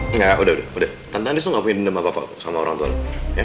enggak udah udah tante andis tuh gak pengen denam papa sama orang tua lo